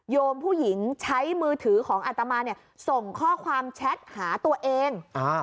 โมผู้หญิงใช้มือถือของอัตมาเนี่ยส่งข้อความแชทหาตัวเอง